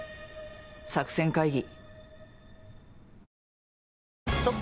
作戦会議。